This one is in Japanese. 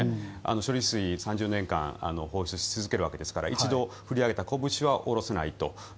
処理水、３０年間放出し続けるわけですから一度振り上げたこぶしは下ろせないと。